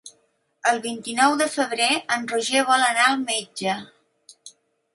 El vint-i-nou de febrer en Roger vol anar al metge.